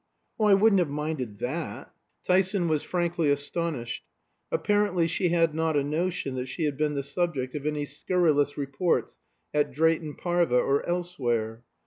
Oh, I wouldn't have minded that." Tyson was frankly astonished. Apparently she had not a notion that she had been the subject of any scurrilous reports at Drayton Parva or elsewhere.